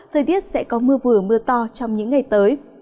thời tiết sẽ có mưa vừa mưa to trong những ngày tới